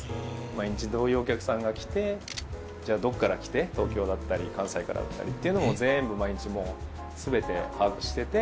毎日どういうお客さんが来てじゃどっから来て東京だったり関西からだったりっていうのを全部毎日全て把握してて。